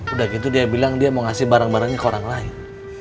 udah gitu dia bilang dia mau ngasih barang barangnya ke orang lain